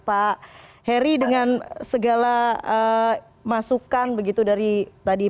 pak heri dengan segala masukan begitu dari tadi